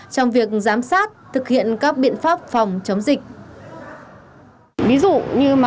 trong việc giám sát thực hiện các biện pháp phòng chống dịch